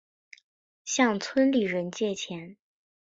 向村里的人借钱